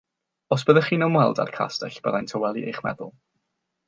Os byddech chi'n ymweld â'r castell byddai'n tawelu eich meddwl.